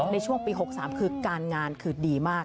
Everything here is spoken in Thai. ในช่วงปี๖๓คือการงานคือดีมาก